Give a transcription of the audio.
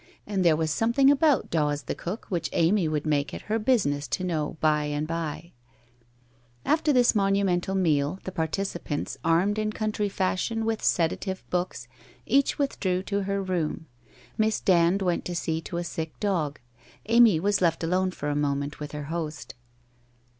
And there was some thing about Dawes the cook which Amy would make it her business to know by and bye. After this monumental meal the participants, armed in country fashion with sedative books, each withdrew to her room. Miss Dand went to sec to a sick dog; Amy was left alone for a moment with her host.